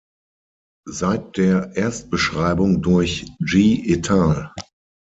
Seit der Erstbeschreibung durch Ji et al.